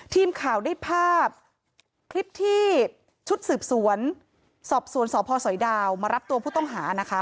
ทีมข่าวได้ภาพคลิปที่ชุดสืบสวนสอบสวนสพสอยดาวมารับตัวผู้ต้องหานะคะ